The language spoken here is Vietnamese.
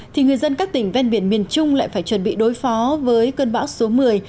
thì người dân các tỉnh ven biển miền trung lại phải chuẩn bị đối phó với cơn bão số một mươi